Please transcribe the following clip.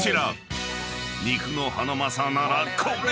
［肉のハナマサならこれ！